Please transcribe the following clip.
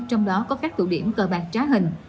trong đó có các tụ điểm cờ bạc trá hình